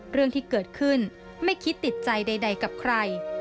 เรื่องที่เกิดขึ้นไม่คิดติดใจใดกับใคร